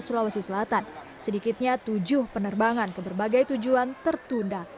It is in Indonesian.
sulawesi selatan sedikitnya tujuh penerbangan ke berbagai tujuan tertunda